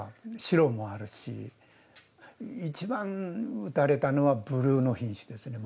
一番打たれたのはブルーの品種ですね。